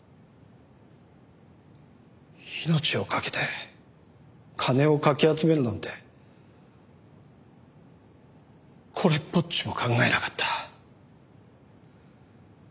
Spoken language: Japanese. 命をかけて金をかき集めるなんてこれっぽっちも考えなかった。